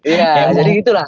ya jadi gitu lah